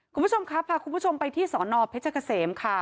คุณผู้ชมครับพาคุณผู้ชมไปที่สอนอเพชรเกษมค่ะ